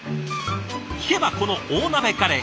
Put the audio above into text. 聞けばこの大鍋カレー